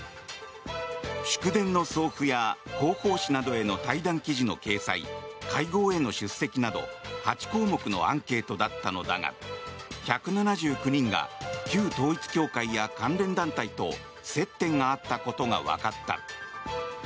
祝電の送付や広報誌などへの対談記事の掲載会合への出席など８項目のアンケートだったのだが１７９人が旧統一教会や関連団体と接点があったことがわかった。